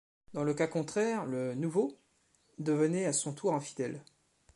Dans le cas contraire, le « nouveau » devenait à son tour un fidèle.